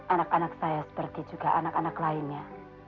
anak anak saya seperti juga anak anak lainnya